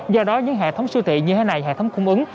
do đó những hệ thống siêu thị như thế này hệ thống cung ứng